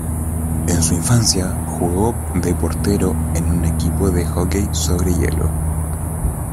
En su infancia, jugó de portero en un equipo de hockey sobre hielo.